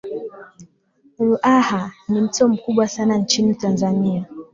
ruaha ni mto mkubwa sana nchini tanzania